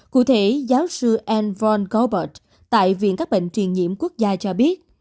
cụ thể giáo sư anne von goebbels tại viện các bệnh truyền nhiễm quốc gia cho biết